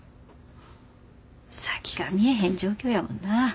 先が見えへん状況やもんな。